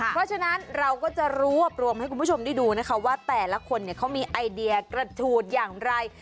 เพราะฉะนั้นเราก็จะรวบรวมให้คุณผู้ชมได้ดูนะคะว่าแต่ละคนเขามีไอเดียกระทูดอย่างไร